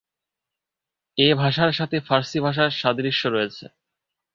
এ ভাষার সাথে ফার্সি ভাষার সাদৃশ্য রয়েছে।